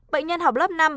bệnh nhân học lớp năm